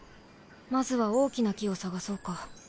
まずは大きな木を探そうか。